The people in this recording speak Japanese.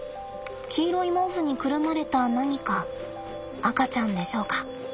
黄色い毛布にくるまれた何か赤ちゃんでしょうか。